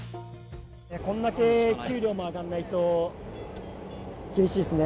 こんだけ給料も上がんないと、厳しいですね。